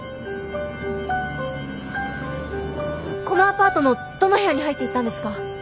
このアパートのどの部屋に入っていったんですか？